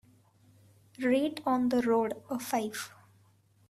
rate On the Road a five